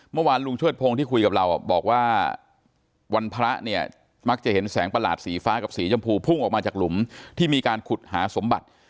เมื่อวานลุงเชิดพงศ์ที่คุยกับเราบอกว่าวันพระเนี่ยมักจะเห็นแสงประหลาดสีฟ้ากับสีชมพูพุ่งออกมาจากหลุมที่มีการขุดหาสมบัติ